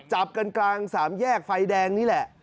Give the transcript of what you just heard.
จับกันกลางสามแยกไฟแดงนี่แหละ